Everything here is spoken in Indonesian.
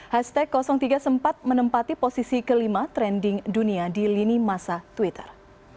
hashtag tiga sempat menempati posisi kelima trending dunia di lini masa twitter